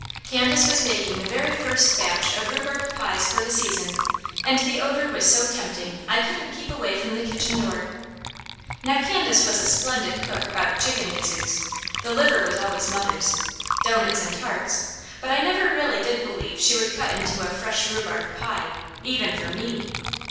Candace was baking the very first batch of rhubarb pies for the season and the odour was so tempting I couldn't keep away from the kitchen door. Now Candace was a splendid cook about chicken gizzards the liver was always mother's doughnuts and tarts, but I never really did believe she would cut into a fresh rhubarb pie, even for me.